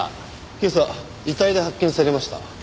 今朝遺体で発見されました。